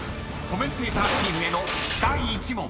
コメンテーターチームへの第１問］